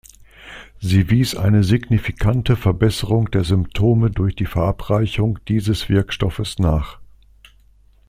Sie wies eine signifikante Verbesserung der Symptome durch die Verabreichung dieses Wirkstoffes nach.